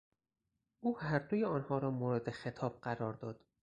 او هر دوی آنها را مورد خطاب قرار داد.